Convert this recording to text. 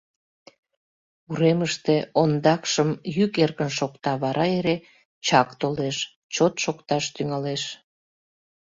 Уремыште ондакшым йӱк эркын шокта, вара эре чак толеш, чот шокташ тӱҥалеш.